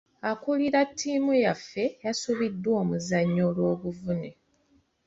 Akuulira ttimu yaffe yasubiddwa omuzannyo olw'obuvune.